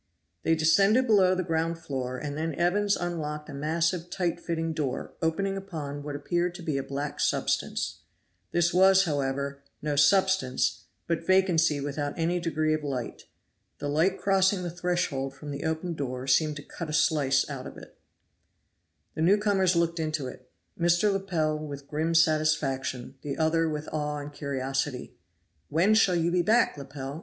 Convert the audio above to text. They descended below the ground floor, and then Evans unlocked a massive tight fitting door opening upon what appeared to be a black substance; this was, however, no substance but vacancy without any degree of light. The light crossing the threshold from the open door seemed to cut a slice out of it. The newcomers looked into it. Mr. Lepel with grim satisfaction, the other with awe and curiosity. "When shall you be back, Lepel?"